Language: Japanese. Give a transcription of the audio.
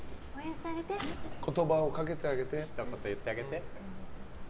言葉をかけてあげて。